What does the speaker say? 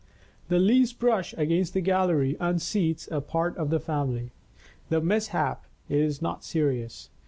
The least brush against the gallery unseats a part of the family. The mishap is not serious.